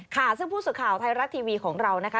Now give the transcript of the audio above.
ค่ะซึ่งผู้สื่อข่าวไทยรัฐทีวีของเรานะคะ